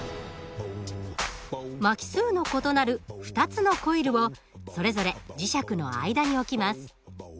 巻き数の異なる２つのコイルをそれぞれ磁石の間に置きます。